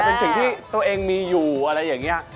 เป็นสิ่งที่ตัวเองมีอยู่อะไรอย่างนี้